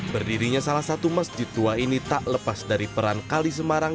berdirinya salah satu masjid tua ini tak lepas dari peran kali semarang